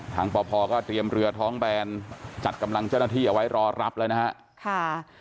ปพก็เตรียมเรือท้องแบนจัดกำลังเจ้าหน้าที่เอาไว้รอรับแล้วนะฮะ